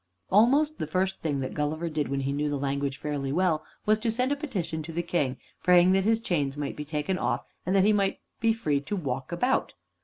Almost the first thing that Gulliver did when he knew the language fairly well, was to send a petition to the King, praying that his chains might be taken off and that he might be free to walk about.